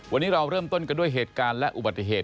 วันนี้เราเริ่มต้นกันด้วยเหตุการณ์และอุบัติเหตุ